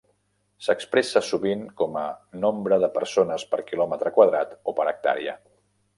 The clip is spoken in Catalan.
S'expressa, sovint, com a nombre de persones per quilòmetre quadrat o per hectàrea.